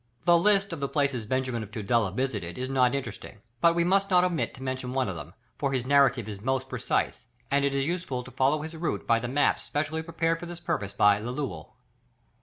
The list of the places Benjamin of Tudela visited, is not interesting, but we must not omit to mention one of them, for his narrative is most precise, and it is useful to follow his route by the maps specially prepared for this purpose by Lelewel.